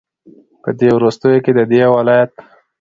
په دې وروستيو كې ددې ولايت